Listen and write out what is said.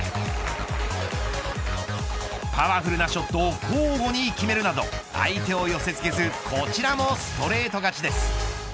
パワフルなショットを交互に決めるなど相手を寄せ付けず、こちらもストレート勝ちです。